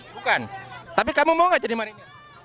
bukan tapi kamu mau gak jadi marinir